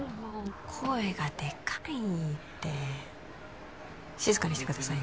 声がデカいって静かにしてください